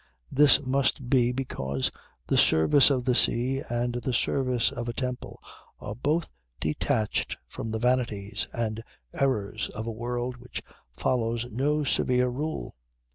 This must be because the service of the sea and the service of a temple are both detached from the vanities and errors of a world which follows no severe rule.